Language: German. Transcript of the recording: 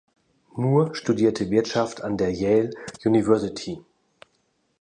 Moore studierte Wirtschaft an der Yale University.